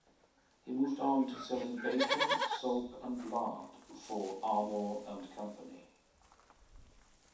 He moved on to selling bacon, soap, and lard for Armour and Company.